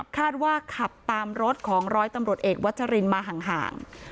คาดว่าขับตามรถของร้อยตำรวจเอกวัชรินมาห่าง